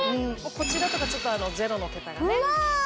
こちらとかちょっとゼロの桁がねうわ